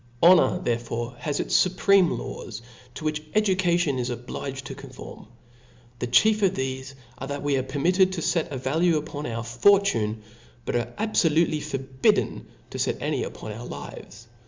Honor therefore has its fupreme laws, to which education is obliged to conform *. The chief of tbefe are, that we are permitted to fet a value upon our fortune, but are abfolutely forbidden to fet any upon our lives.